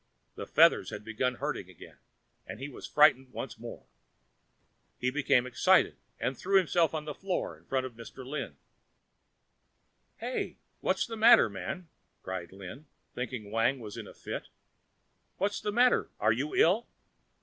The feathers had begun hurting again, and he was frightened once more. He became excited and threw himself on the floor in front of Mr. Lin. "Hey! what's the matter, man?" cried Lin, thinking Wang was in a fit. "What's the matter? Are you ill?"